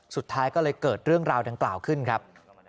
สุดท้ายก็เลยเกิดเรื่องราวดังกล่าวขึ้นครับ